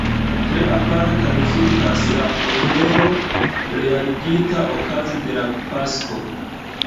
Tre aparta rezultas la ofero realigita okaze de la Pasko.